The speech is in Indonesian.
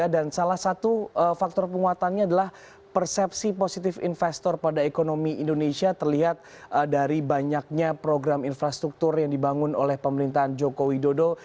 dan salah satu faktor penguatannya adalah persepsi positif investor pada ekonomi indonesia terlihat dari banyaknya program infrastruktur yang dibangun oleh pemerintahan joko widodo